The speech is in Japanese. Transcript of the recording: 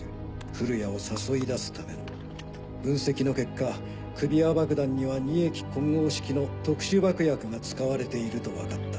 降谷を誘い出すための。分析の結果首輪爆弾には二液混合式の特殊爆薬が使われていると分かった。